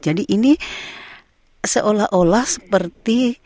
jadi ini seolah olah seperti